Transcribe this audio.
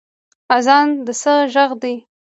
اذان د څه غږ دی؟